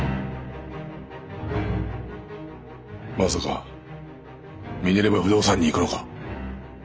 まさかミネルヴァ不動産に行くのか？